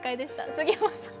杉山さん